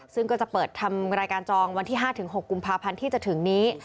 ซึ่งก็จะเปิดทำรายการจองวันที่๕๖กุมภาพันธ์ที่จะถึงนี้